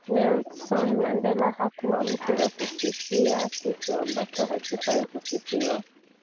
Nelsoni Mandela hakuwa mtu wa kusifia kitu ambacho hakifai kusifiwa